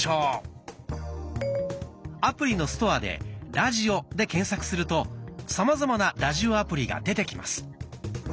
アプリのストアで「ラジオ」で検索するとさまざまなラジオアプリが出てきます。